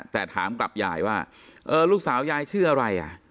แต่ถามกับยายว่าลูกสาวยายชื่ออะไรอ่ะ